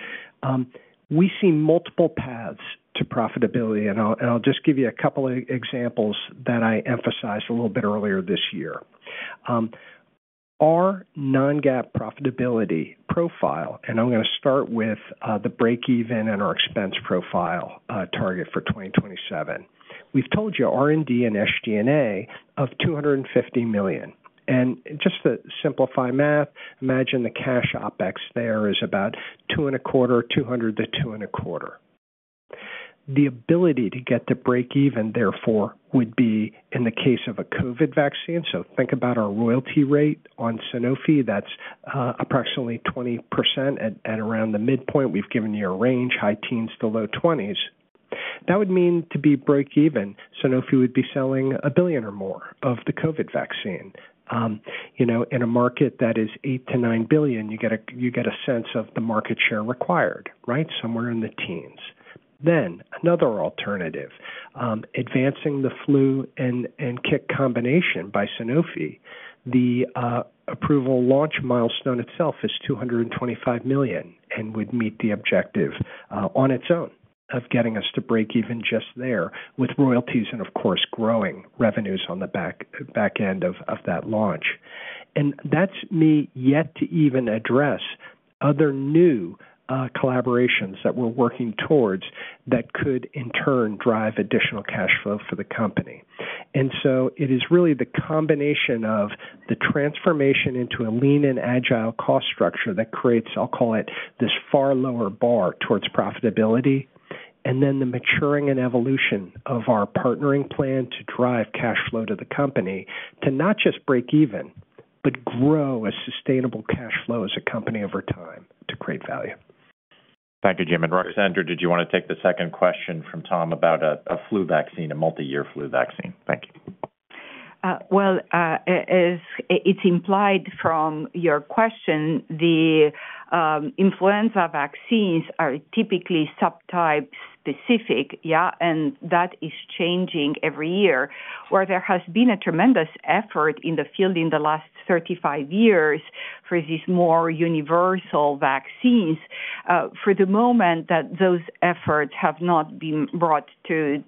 we see multiple paths to profitability. I'll just give you a couple of examples that I emphasized a little bit earlier this year. Our non-GAAP profitability profile, and I'm going to start with the break-even and our expense profile target for 2027. We've told you R&D and SG&A of $250 million. Just to simplify math, imagine the cash OpEx there is about $200 million-$225 million. The ability to get to break-even, therefore, would be in the case of a COVID vaccine. Think about our royalty rate on Sanofi. That's approximately 20% at around the midpoint. We've given you a range, high teens to low 20s. That would mean to be break-even, Sanofi would be selling $1 billion or more of the COVID vaccine. In a market that is $8 billion to $9 billion, you get a sense of the market share required, right? Somewhere in the teens. Another alternative, advancing the flu and KIK combination by Sanofi. The approval launch milestone itself is $225 million and would meet the objective on its own of getting us to break-even just there with royalties and, of course, growing revenues on the back end of that launch. That's me yet to even address other new collaborations that we're working towards that could, in turn, drive additional cash flow for the company. It is really the combination of the transformation into a lean and agile cost structure that creates, I'll call it, this far lower bar towards profitability. The maturing and evolution of our partnering plan drive cash flow to the company to not just break-even, but grow a sustainable cash flow as a company over time to create value. Thank you, Jim. Ruxandra, did you want to take the second question from Tom about a flu vaccine, a multi-year flu vaccine? Thank you. As it's implied from your question, the influenza vaccines are typically subtype specific, yeah, and that is changing every year. There has been a tremendous effort in the field in the last 35 years for these more universal vaccines. For the moment, those efforts have not been brought to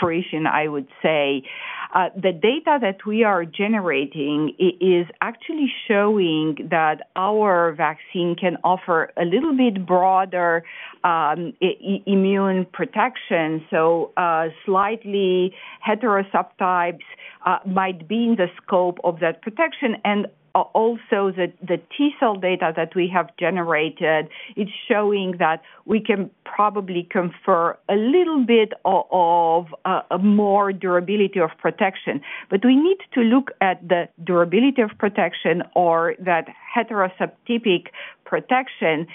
fruition, I would say. The data that we are generating is actually showing that our vaccine can offer a little bit broader immune protection. Slightly hetero subtypes might be in the scope of that protection. Also, the T cell data that we have generated is showing that we can probably confer a little bit more durability of protection. We need to look at the durability of protection or that hetero subtypic protection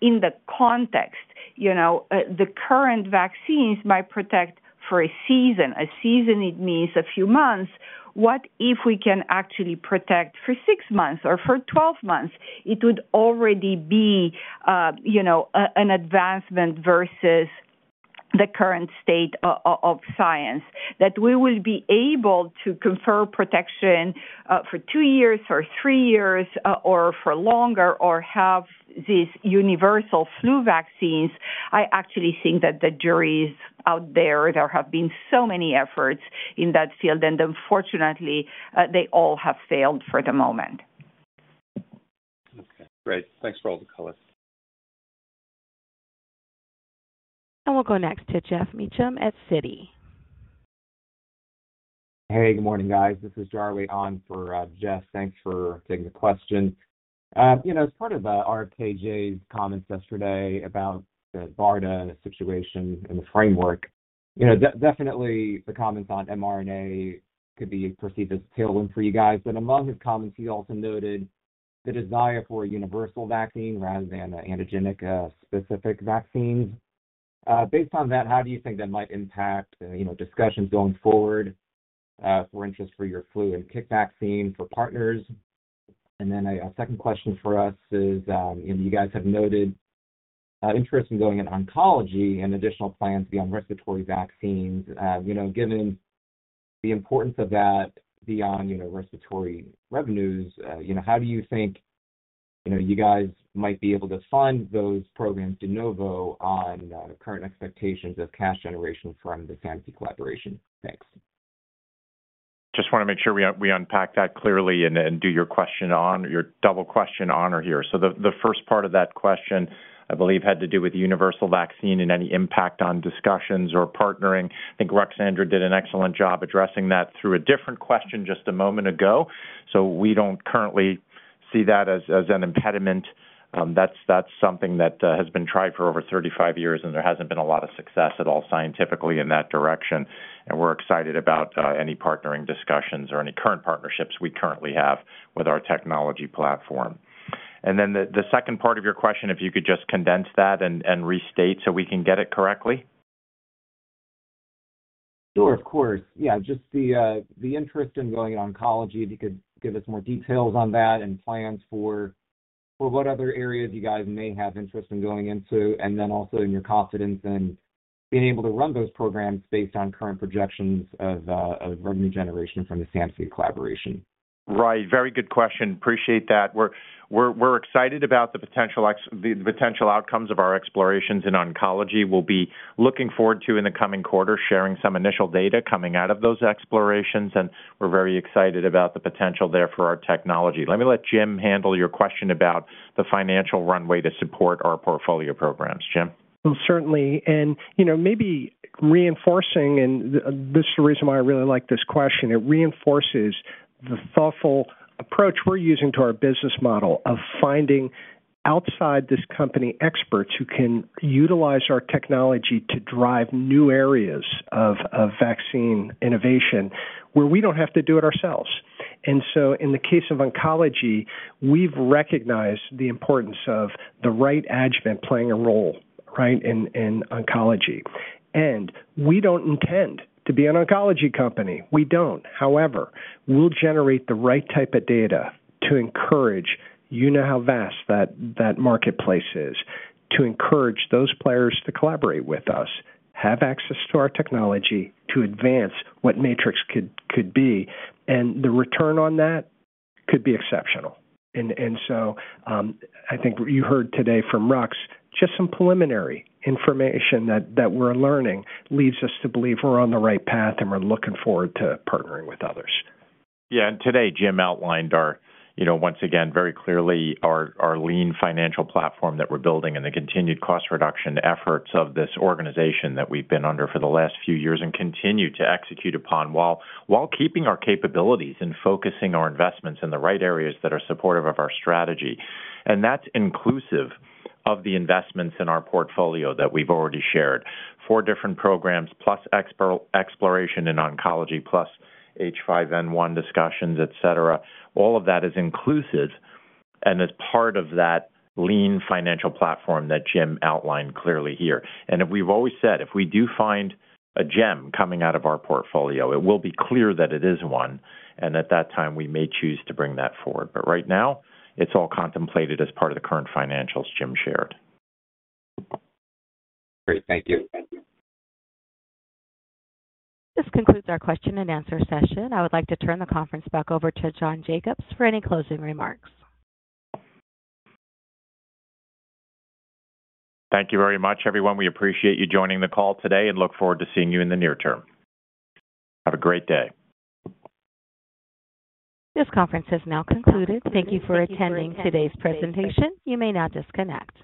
in the context. You know, the current vaccines might protect for a season. A season means a few months. What if we can actually protect for six months or for 12 months? It would already be an advancement versus the current state of science that we will be able to confer protection for two years or three years or for longer or have these universal flu vaccines. I actually think that the jury is out there. There have been so many efforts in that field, and unfortunately, they all have failed for the moment. Okay, great. Thanks for all the calls. We'll go next to Geoff Meacham at Citi. Hey, good morning, guys. This is John, waiting on for Jeff. Thanks for taking the question. As part of RFKJ's comments yesterday about the BARDA situation and the framework, definitely the comments on mRNA could be perceived as a tailwind for you guys. Among his comments, he also noted the desire for a universal vaccine rather than an antigenic specific vaccine. Based on that, how do you think that might impact discussions going forward for interest for your flu and KIK vaccine for partners? A second question for us is, you guys have noted interest in going in oncology and additional plans beyond respiratory vaccines. Given the importance of that beyond respiratory revenues, how do you think you guys might be able to fund those programs de novo on the current expectations of cash generation from the Sanofi collaboration? Thanks. Just want to make sure we unpack that clearly and do your question on your double question honor here. The first part of that question, I believe, had to do with universal vaccine and any impact on discussions or partnering. I think Rux did an excellent job addressing that through a different question just a moment ago. We don't currently see that as an impediment. That's something that has been tried for over 35 years, and there hasn't been a lot of success at all scientifically in that direction. We're excited about any partnering discussions or any current partnerships we currently have with our technology platform. The second part of your question, if you could just condense that and restate so we can get it correctly? Sure, of course. Just the interest in going in oncology, if you could give us more details on that and plans for what other areas you guys may have interest in going into. Also, your confidence in being able to run those programs based on current projections of revenue generation from the Sanofi collaboration. Right. Very good question. Appreciate that. We're excited about the potential outcomes of our explorations in oncology. We'll be looking forward to, in the coming quarter, sharing some initial data coming out of those explorations. We're very excited about the potential there for our technology. Let me let Jim handle your question about the financial runway to support our portfolio programs. Jim? Certainly. Maybe reinforcing, and this is the reason why I really like this question. It reinforces the thoughtful approach we're using to our business model of finding outside this company experts who can utilize our technology to drive new areas of vaccine innovation where we don't have to do it ourselves. In the case of oncology, we've recognized the importance of the right adjuvant playing a role, right, in oncology. We don't intend to be an oncology company. We don't. However, we'll generate the right type of data to encourage, you know how vast that marketplace is, to encourage those players to collaborate with us, have access to our technology to advance what Matrix-M could be. The return on that could be exceptional. I think you heard today from Rux, just some preliminary information that we're learning leads us to believe we're on the right path and we're looking forward to partnering with others. Yeah. Jim outlined our, you know, once again, very clearly our lean financial platform that we're building and the continued cost reduction efforts of this organization that we've been under for the last few years and continue to execute upon while keeping our capabilities and focusing our investments in the right areas that are supportive of our strategy. That is inclusive of the investments in our portfolio that we've already shared. Four different programs plus exploration in oncology plus H5N1 discussions, et cetera. All of that is inclusive and is part of that lean financial platform that Jim outlined clearly here. We've always said if we do find a gem coming out of our portfolio, it will be clear that it is one. At that time, we may choose to bring that forward. Right now, it's all contemplated as part of the current financials Jim shared. Great. Thank you. This concludes our question and answer session. I would like to turn the conference back over to John Jacobs for any closing remarks. Thank you very much, everyone. We appreciate you joining the call today and look forward to seeing you in the near term. Have a great day. This conference has now concluded. Thank you for attending today's presentation. You may now disconnect.